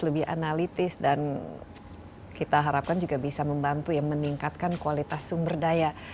lebih analitis dan kita harapkan juga bisa membantu ya meningkatkan kualitas sumber daya